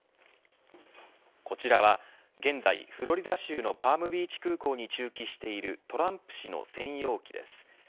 こちらは、現在フロリダ州のパームビーチ空港に駐機しているトランプ氏の専用機です。